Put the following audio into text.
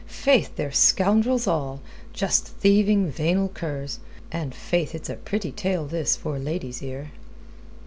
Faith, they're scoundrels all just thieving, venal curs. And faith, it's a pretty tale this for a lady's ear."